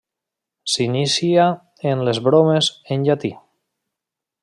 S’inicia en les bromes en llatí.